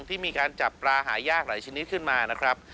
ที่มีการจับปลาหายากหลายชนิดขึ้นมานะครับ